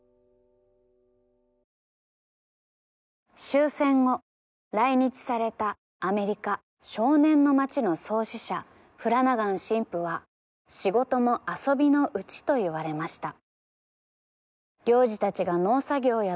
「終戦後来日されたアメリカ少年の町の創始者フラナガン神父は『仕事も遊びのうち』と言われました」。